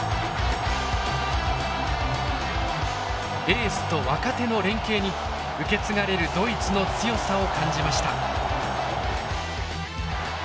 エースと若手の連携に受け継がれるドイツの強さを感じました。